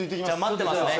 待ってますね